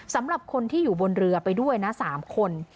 สำหรับคนที่อยู่บนเรือไปด้วยนะ๓คน